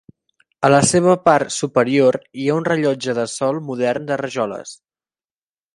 A la seva part superior hi ha un rellotge de sol modern de rajoles.